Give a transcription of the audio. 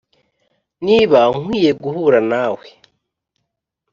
niba nkwiye guhura nawe